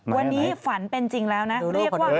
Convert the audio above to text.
วันนี้ฝันเป็นจริงแล้วนะเรียกว่า